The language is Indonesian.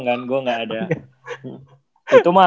enggak kan gue di mes doang kan